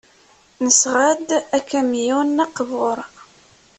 Nesɣa-d akamyun aqbur.